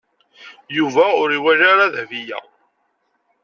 Yuba ur iwala ara Dahbiya.